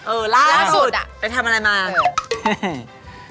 เออล่าสุดอ่ะเป็นทำอะไรมาเออล่าสุด